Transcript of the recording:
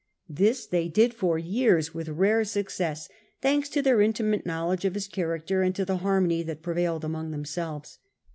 This they did for years with rare success, thanks to hisfrecd their intimate knowledge of his character and * to the harmony that prevailed among themselves.